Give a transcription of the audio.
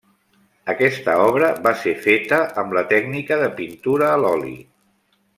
Aquesta obra va ser feta amb la tècnica de pintura a l'oli.